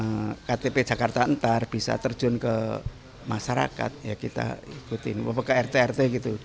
yang ktp jakarta ntar bisa terjun ke masyarakat ya kita ikutin ke rt rt gitu